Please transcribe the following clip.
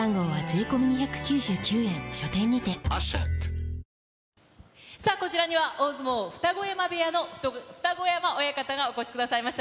ＮＯＭＯＲＥＲＵＬＥＳＫＡＴＥさあ、こちらには、大相撲二子山部屋の二子山親方がお越しくださいました。